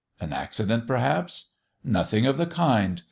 An accident perhaps? Nothing of the kind.